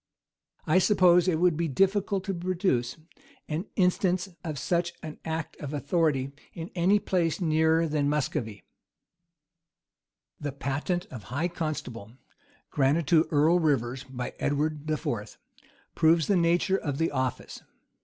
[*] I suppose it would be difficult to produce an instance of such an act of authority in any place nearer than Muscovy. The patent of high constable, granted to Earl Rivers by Edward IV., proves the nature of the office.